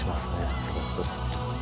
すごく。